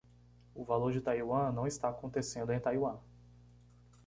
O valor de Taiwan não está acontecendo em Taiwan.